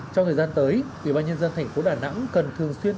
trong thời gian tới ubnd tp đà nẵng cần thường xuyên